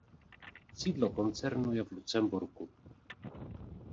Sídlo koncernu je v Lucemburku.